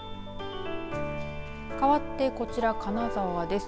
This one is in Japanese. かわって、こちら金沢です。